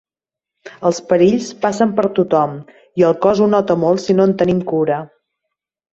Els perills passen per tothom i el cos ho nota molt si no en tenim cura.